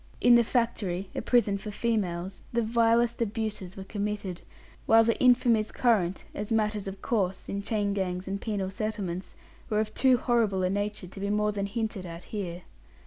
In the factory a prison for females the vilest abuses were committed, while the infamies current, as matters of course, in chain gangs and penal settlements, were of too horrible a nature to be more than hinted at here.